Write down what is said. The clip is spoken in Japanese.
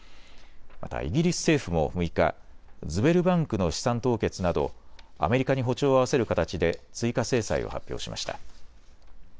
ただイギリス政府も６日、ズベルバンクの資産凍結などアメリカに歩調を合わせる形で追加制裁を発表しました。